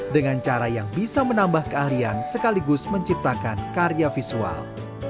dengan cara yang bisa menambah keahlian sekaligus menciptakan karya visual